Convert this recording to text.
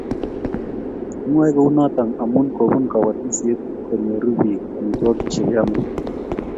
Kimwoe kounoto amu kobun kobotisiet konyoru bik amitwogik che yamei